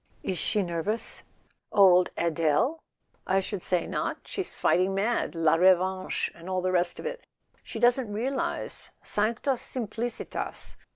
"Is she—nervous?" "Old Adele? I should say not: she's fighting mad. La Revanche and all the rest of it. She doesn't realize —sancta simplicitas